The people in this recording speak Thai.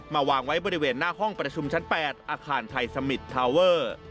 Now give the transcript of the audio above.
วางไว้บริเวณหน้าห้องประชุมชั้น๘อาคารไทยสมิตรทาวเวอร์